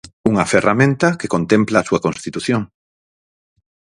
Unha ferramenta que contempla a súa Constitución.